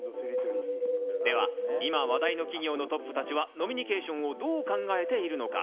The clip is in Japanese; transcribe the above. では今話題の企業のトップたちは飲みニケーションをどう考えているのか？